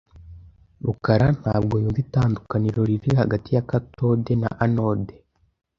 rukarantabwo yumva itandukaniro riri hagati ya cathode na anode.